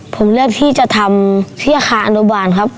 ผมเลือกที่จะทำที่อาคารอนุบาลครับ